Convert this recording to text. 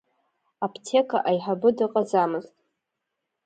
Аԥҭека аиҳабы дыҟаӡамызт.